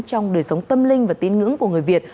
trong đời sống tâm linh và tín ngưỡng của người việt